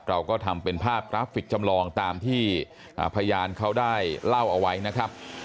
เราก็ทำเป็นภาพกราฟิกจำลองตามที่พยานเขาได้เล่าเอาไว้นะครับ